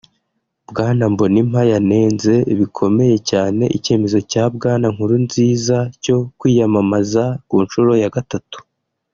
Bwana Mbonimpa yanenze bikomeye cyane icyemezo cya Bwana Nkurunziza cyo kwiyamamaza ku nshuro ya gatatu